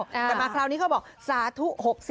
แต่มาคราวนี้เขาบอกสาธุ๖๐